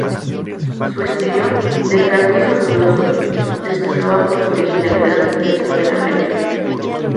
Su estilo, de rasgos angulosos, destacaba por su originalidad dentro de la revista.